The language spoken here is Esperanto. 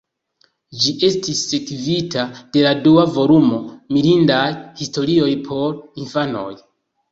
Ĝi estis sekvita de la dua volumo, "Mirindaj historioj por infanoj".